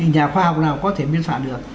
nhà khoa học nào có thể biên soạn được